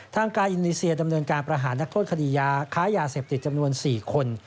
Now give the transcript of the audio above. ทางการอินนีเซียดำเนินการประหารนักโทษคดียาค้ายาเสพติดจำนวน๔คน